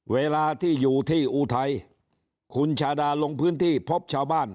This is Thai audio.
เวลาที่อยู่ที่อุทัยคุณชาดาลงพื้นที่พบชาวบ้าน